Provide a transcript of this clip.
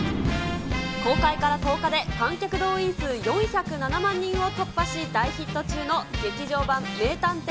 公開から１０日で観客動員数４０７万人を突破し、大ヒット中の劇場版名探偵